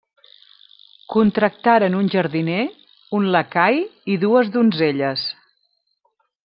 Contractaren un jardiner, un lacai i dues donzelles.